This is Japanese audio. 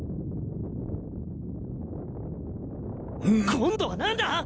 今度は何だ？